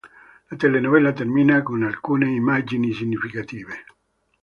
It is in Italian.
La telenovela termina con alcune immagini significative.